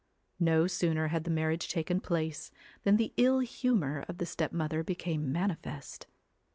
No sooner had the marriage taken place than the ill humour of the stepmother became manifest.